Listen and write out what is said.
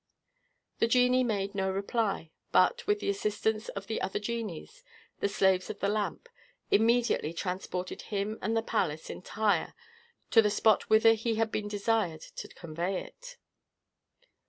The genie made no reply, but, with the assistance of the other genies, the slaves of the lamp, immediately transported him and the palace entire to the spot whither he had been desired to convey it.